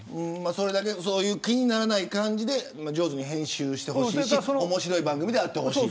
そういう気にならない感じで上手に編集してほしいし面白い番組であってほしいと。